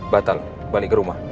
batal balik ke rumah